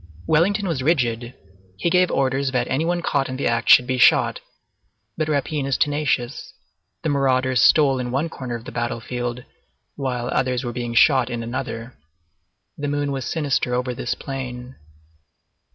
Wellington was rigid; he gave orders that any one caught in the act should be shot; but rapine is tenacious. The marauders stole in one corner of the battlefield while others were being shot in another. The moon was sinister over this plain.